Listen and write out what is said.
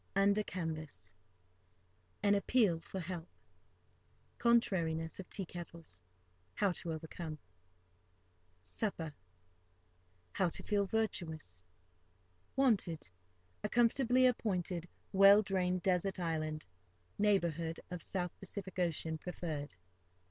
—Under canvas.—An appeal for help.—Contrariness of tea kettles, how to overcome.—Supper.—How to feel virtuous.—Wanted! a comfortably appointed, well drained desert island, neighbourhood of South Pacific Ocean preferred.